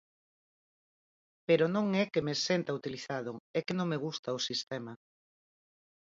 Pero non é que me senta utilizado, é que non me gusta o sistema.